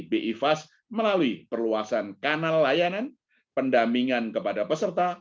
bifas melalui perluasan kanal layanan pendamingan kepada peserta